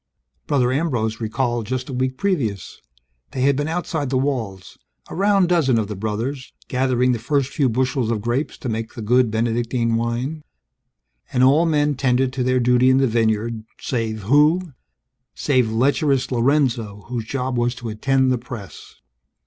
_ Brother Ambrose recalled just a week previous; they had been outside the walls, a round dozen of the brothers, gathering the first few bushels of grapes to make the good Benedictine wine. And all men tended to their duty in the vineyard save who? Save lecherous Lorenzo, whose job was to attend the press.